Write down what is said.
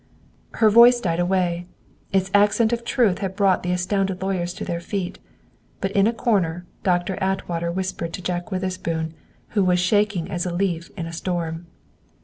Her voice died away; its accent of truth had brought the astounded lawyers to their feet; but in a corner Doctor Atwater whispered to Jack Witherspoon, who was shaking as a leaf in a storm.